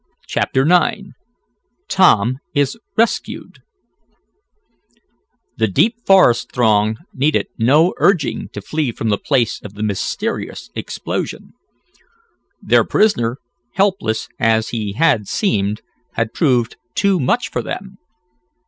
CHAPTER IX TOM IS RESCUED The Deep Forest Throng needed no urging to flee from the place of the mysterious explosion. Their prisoner, helpless as he had seemed, had proved too much for them.